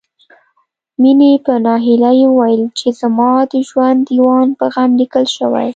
مينې په ناهيلۍ وويل چې زما د ژوند ديوان په غم ليکل شوی